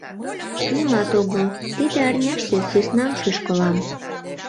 «Нимат огыл, тиде арняште сӧснам шӱшкылам.